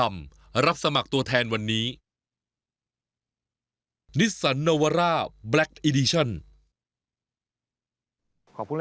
แม่แม่บอกพี่ไป